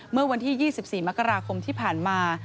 เมื่อวันที่๒๔มกราคมที่ผ่านมา